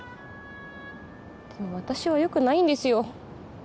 でも私はよくないんですよ。